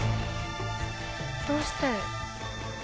どうして？